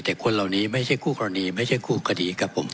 แต่คนเหล่านี้ไม่ใช่คู่กรณีไม่ใช่คู่กรณีกับผม